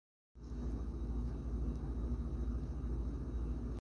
خليل أظل إذا زارني